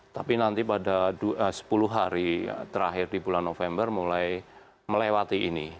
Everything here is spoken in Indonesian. tapi nanti pada sepuluh hari terakhir di bulan november mulai melewati ini